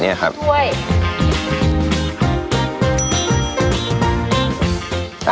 เนี้ยครับด้วย